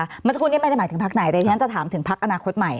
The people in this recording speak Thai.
เมื่อสักครู่นี้ไม่ได้หมายถึงพักไหนแต่ที่ฉันจะถามถึงพักอนาคตใหม่